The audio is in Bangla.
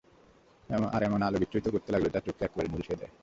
আর এমন আলো বিচ্ছুরিত করতে লাগল যা চোখকে একেবারে ঝলসিয়ে দেয়।